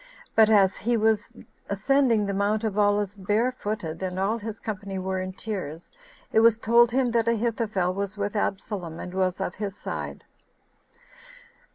But as he was ascending the Mount of Olives barefooted, and all his company were in tears, it was told him that Ahithophel was with Absalom, and was of his side.